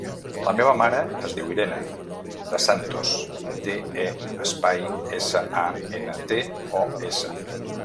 La meva mare es diu Irene De Santos: de, e, espai, essa, a, ena, te, o, essa.